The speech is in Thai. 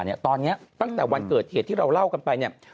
เนี่ยตอนนี้ตั้งแต่วันเกิดเหตุที่เราเล่ากันไปเนี่ย